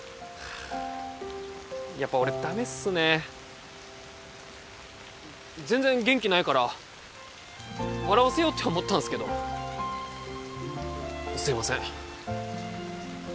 あやっぱ俺ダメっすね全然元気ないから笑わせようって思ったんすけどすいません